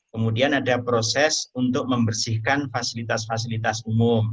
kemudian ada proses untuk membersihkan fasilitas fasilitas umum